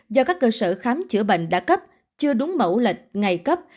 do các cơ sở khám chữa bệnh đã cấp chưa đúng mẫu lịch ngày cấp